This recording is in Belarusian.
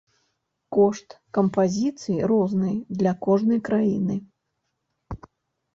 Кошт кампазіцый розны для кожнай краіны.